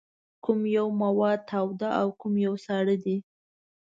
کوم یو مواد تاوده او کوم یو ساړه دي؟